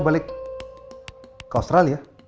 balik ke australia